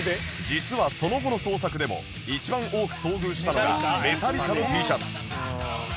実はその後の捜索でも一番多く遭遇したのが ＭＥＴＡＬＬＩＣＡ の Ｔ シャツ